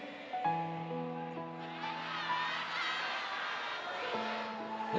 menyakalakan aku jatuh